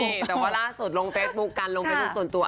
นี่แต่ว่าล่าสุดลงเฟซบุ๊คกันลงเฟซบุ๊คส่วนตัว